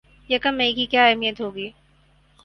یکم مئی کی کیا اہمیت ہوگی